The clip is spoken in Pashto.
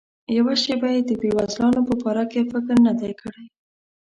یوه شیبه یې د بېوزلانو په باره کې فکر نه دی کړی.